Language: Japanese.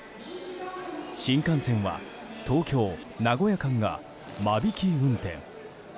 新幹線は東京名古屋間が間引き運転。